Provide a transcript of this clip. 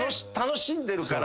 楽しんでる。